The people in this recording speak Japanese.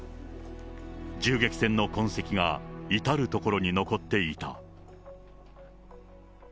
銃撃戦の痕跡が至る所に残っていた。